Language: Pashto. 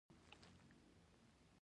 افغانستان د د اوبو سرچینې کوربه دی.